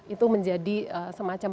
itu menjadi semacam pelajaran